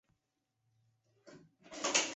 克罗梅日什总主教宫的主要驻地。